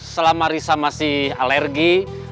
selama risa masih alergi